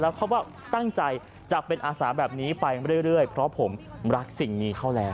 เขาก็ตั้งใจจะเป็นอาสาแบบนี้ไปเรื่อยเพราะผมรักสิ่งนี้เขาแล้ว